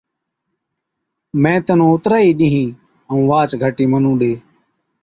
مين تنُون اُتري ئِي ڏِيهِين ائُون واهچ گھَرٽِي مُنُون ڏي۔